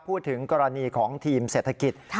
พูดถึงกรณีของทีมเศรษฐกิจ